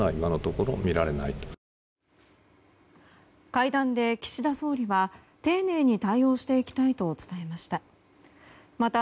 会談で岸田総理は丁寧に対応していきたいと伝えました。